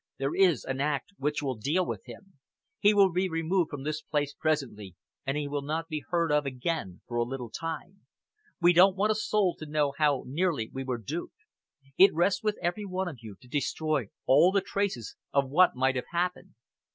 "There is an Act which will deal with him. He will be removed from this place presently, and he will not be heard of again for a little time. We don't want a soul to know how nearly we were duped. It rests with every one of you to destroy all the traces of what might have happened.